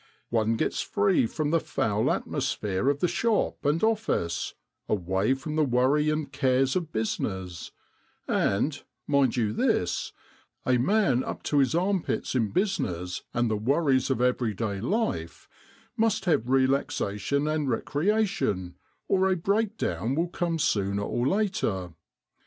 One gets free from the foul atmos phere of the shop and office, away from the worry and cares of business ; and, mind you this, a man up to his armpits in business and the worries of every day life must have relaxation and recreation, or a break down will come sooner or later.